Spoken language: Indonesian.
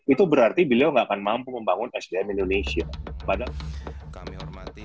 itu berarti bilo tidak akan mampu membangun sdm indonesia